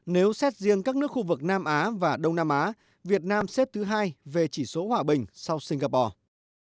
nếu xét riêng các nước khu vực nam á và đông nam á việt nam xếp thứ hai về chỉ số hòa bình sau singapore